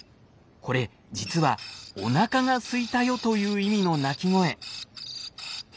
これ実は「おなかがすいたよ」という意味の鳴き声。